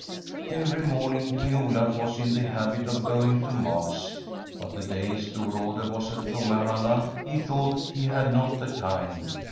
Every morning King Olaf was in the habit SIGRID STORRADE of going to Mass, but the day Storrade was at Kungahalla he thought he had not the time.